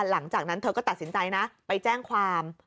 หลังจากนั้นเธอก็ตัดสินใจนะไปแจ้งความ